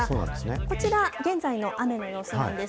こちら、現在の雨の様子なんです。